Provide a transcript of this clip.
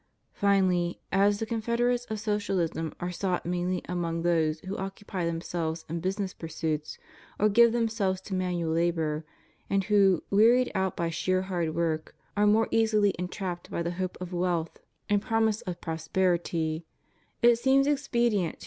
Finally, as the confederates of So ciahsm are sought mainly among those who occupy them selves in business pursuits, or give themselves to manual labor, and who, wearied out by sheer hard work, are more easily entrapped by the hope of wealth and promise of SOCIALISM, COMMUNISM, NIHILISM. 33 prosperity, it seems expedient„to.